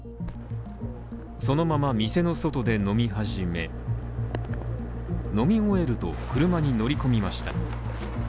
そのまま店の外で飲み始め飲み終えると、車に乗り込みました。